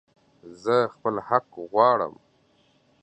زه خپل حق غواړم